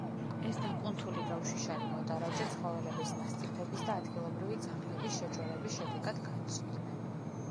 ეს დაკუნთული და უშიშარი მოდარაჯე ცხოველების მასტიფების და ადგილობრივი ძაღლების შეჯვარების შედეგად გაჩნდნენ.